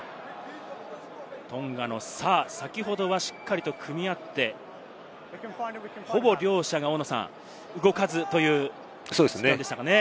トンガの、先ほどはしっかりと組み合って、ほぼ両者が動かずという感じでしたね。